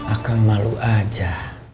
akang malu aja